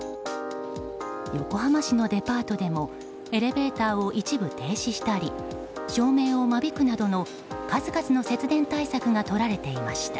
横浜市のデパートでもエレベーターを一部停止したり照明を間引くなどの数々の節電対策がとられていました。